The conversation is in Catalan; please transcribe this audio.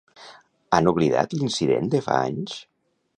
Han oblidat l'incident de fa anys?